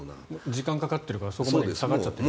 時間がかかってるからそこまで下がっちゃってる。